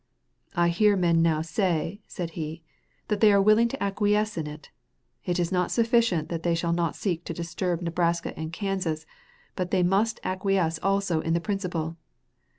"I hear men now say," said he, "that they are willing to acquiesce in it.... It is not sufficient that they shall not seek to disturb Nebraska and Kansas, but they must acquiesce also in the principle."